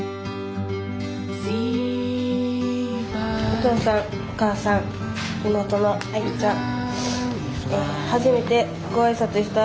お父さんお母さん妹のあゆちゃん。